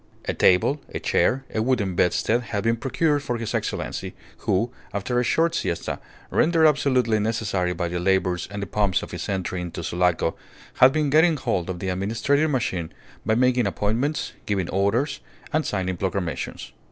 A table, a chair, a wooden bedstead had been procured for His Excellency, who, after a short siesta, rendered absolutely necessary by the labours and the pomps of his entry into Sulaco, had been getting hold of the administrative machine by making appointments, giving orders, and signing proclamations.